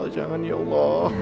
jangan ya allah